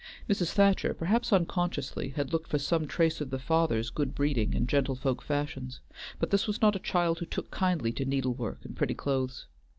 Mrs. Thacher, perhaps unconsciously, had looked for some trace of the father's good breeding and gentlefolk fashions, but this was not a child who took kindly to needlework and pretty clothes.